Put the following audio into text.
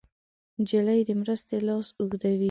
نجلۍ د مرستې لاس اوږدوي.